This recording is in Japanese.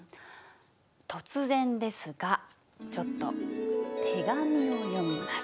突然ですがちょっと手紙を読みます。